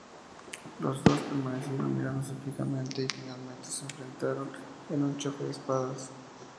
Las dos permanecieron mirándose fijamente y finalmente se enfrentaron en un choque de espadas.